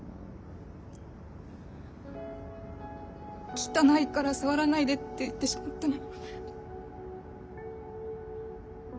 「汚いから触らないで！」って言ってしまったの。